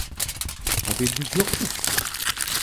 Haberiniz yok mu?